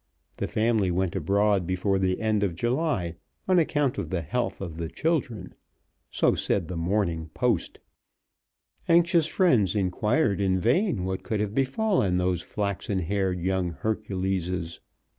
The family went abroad before the end of July, on account of the health of the children. So said the Morning Post. Anxious friends inquired in vain what could have befallen those flaxen haired young Herculeses.